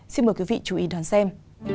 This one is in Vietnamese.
xin mời quý vị chú ý đón xem